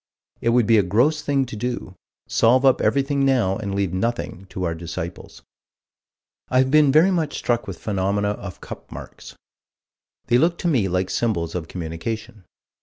It would be a gross thing to do: solve up everything now and leave nothing to our disciples. I have been very much struck with phenomena of "cup marks." They look to me like symbols of communication.